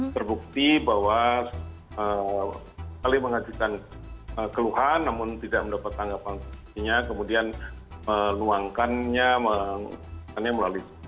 terbukti bahwa saling mengajukan keluhan namun tidak mendapat tanggapannya kemudian meluangkannya melalui